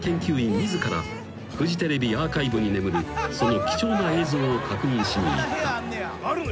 自らフジテレビアーカイブに眠るその貴重な映像を確認しに行った］